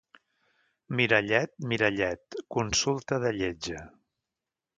Mirallet, mirallet, consulta de lletja.